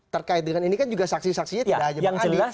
terkait dengan ini kan juga saksi saksinya tidak hanya bang andi